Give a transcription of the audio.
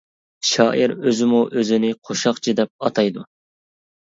شائىر ئۆزىمۇ ئۆزىنى «قوشاقچى» دەپ ئاتايدۇ.